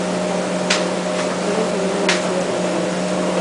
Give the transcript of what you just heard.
Luego enseñó en la Universidad de Gotinga.